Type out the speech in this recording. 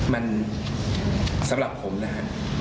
มันสำหรับผมนะฮะ